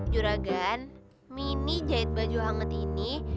juragan mini jahit baju hangat ini